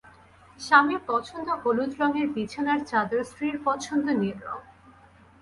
স্বামীর পছন্দ হলুদ রঙের বিছানার চাদর স্ত্রীর পছন্দ নীল রঙ।